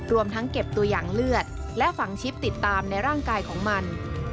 รวมทั้งเก็บตัวอย่างเลือดและฝังชิปติดตามในร่างกายของมัน